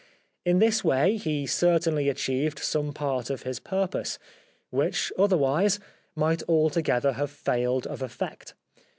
In this way he certainly achieved some part of his purpose, which, otherwise, might altogether have failed of effect.